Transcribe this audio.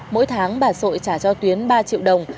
mỗi tháng bà sội trả cho tuyến ba triệu đồng